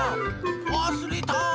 わすれた！